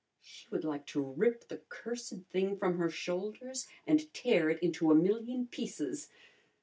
She would like to rip the cursed thing from her shoulders and tear it into a million pieces!